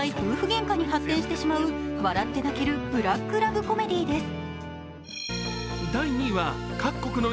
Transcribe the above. げんかに発展してしまう笑って泣けるブラックラブコメディーです。